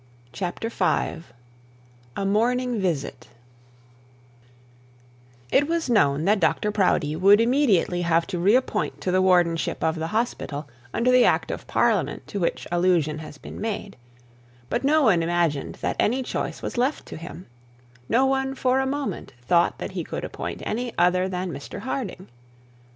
CHAPTER V A MORNING VISIT It was known that Dr Proudie would immediately have to reappoint to the wardenship of the hospital under the act of Parliament to which allusion has been made; but no one imagined that any choice was left to him no one for a moment thought that he could appoint any other than Mr Harding.